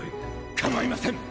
かまいません